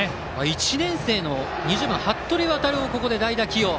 １年生の２０番服部航を代打起用。